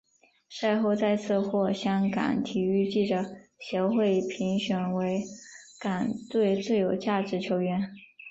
赛后再次获香港体育记者协会评选为港队最有价值球员。